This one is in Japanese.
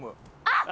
あっ！